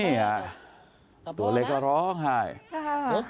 พี่สาวอายุ๗ขวบก็ดูแลน้องดีเหลือเกิน